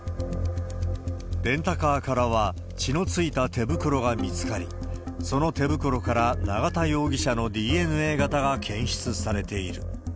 レンタカーからは血のついた手袋が見つかり、その手袋から永田容疑者のＤＮＡ型が検出されている。